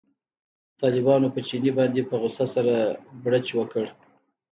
طالبانو په چیني باندې په غوسه سره بړچ وکړ.